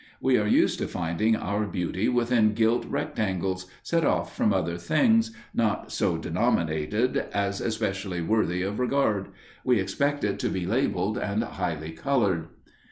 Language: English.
We are used to finding our beauty within gilt rectangles, set off from other things not so denominated as especially worthy of regard; we expect it to be labelled and highly coloured.